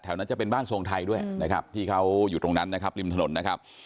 นั้นจะเป็นบ้านทรงไทยด้วยนะครับที่เขาอยู่ตรงนั้นนะครับริมถนนนะครับ